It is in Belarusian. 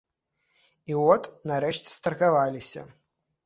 І от нарэшце старгаваліся.